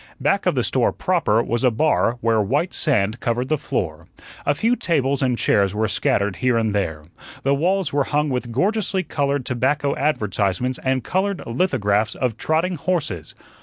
Back of the store proper was a bar where white sand covered the floor. A few tables and chairs were scattered here and there. The walls were hung with gorgeously colored tobacco advertisements and colored lithographs of trotting horses.